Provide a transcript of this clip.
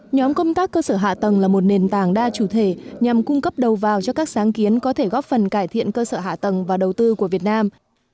nhóm công tác cơ sở hạ tầng là một nền tảng đa chủ thể nhằm cung cấp đầu vào cho các sáng kiến có thể góp phần cải thiện cơ sở hạ tầng và đầu tư của việt nam